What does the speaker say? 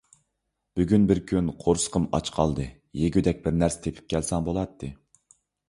بۈگۈن بىر كۈن قورسىقىم ئاچ قالدى، يېگۈدەك بىرنەرسە تېپىپ كەلسەڭ بولاتتى.